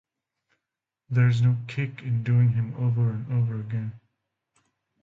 There's no kick in doing him over and over again.